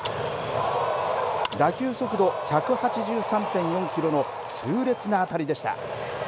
打球速度１８３．４キロの痛烈な当たりでした。